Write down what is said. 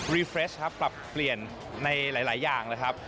รีเฟรชครับปรับเปลี่ยนในหลายอย่างนะครับ